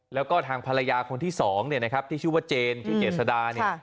แล้วก็ทางภรรยาคนที่๒นะครับที่ชื่อว่าเจนคือเจ็ดสดานี่